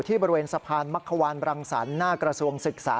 บริเวณสะพานมักขวานบรังสรรค์หน้ากระทรวงศึกษา